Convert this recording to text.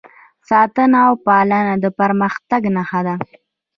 ساتنه او پالنه د پرمختګ نښه ده.